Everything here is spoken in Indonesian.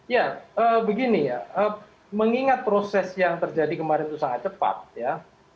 ya begini ya mengingat proses yang terjadi kemarin itu sangat cepat ya